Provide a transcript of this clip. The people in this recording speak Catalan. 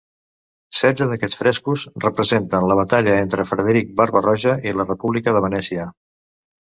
Setze d'aquests frescos representen la batalla entre Frederic Barba-roja i la República de Venècia.